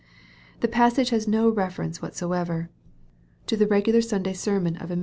The passage has no reference whatever to the regular Sabbath sermon MARK, CHAP.